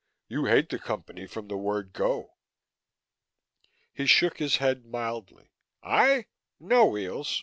You hate the Company from the word go." He shook his head mildly. "I? No, Weels.